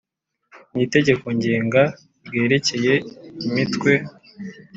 n itegeko ngenga ryerekeye imitwe